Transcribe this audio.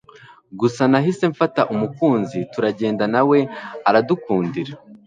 gusa nahise mfata umukunzi turajyenda nawe aradukurikira